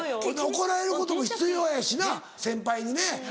怒られることも必要やしな先輩にね。